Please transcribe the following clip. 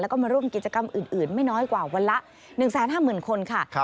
แล้วก็มาร่วมกิจกรรมอื่นไม่น้อยกว่าวันละ๑๕๐๐๐คนค่ะ